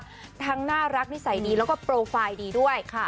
คงมีการการสั่งทางน่ารักนิสัยดีแล้วก็โปรไฟล์ดีด้วยค่ะ